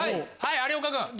はい！